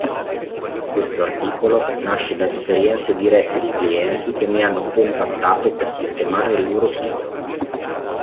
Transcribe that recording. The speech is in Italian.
Questo articolo nasce da esperienze dirette di clienti che mi hanno contattato per sistemare il loro sito.